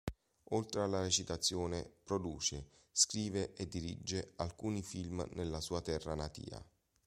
Oltre alla recitazione, produce, scrive e dirige alcuni film nella sua terra natia.